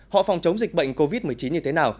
họ phòng chống dịch bệnh covid một mươi chín như thế nào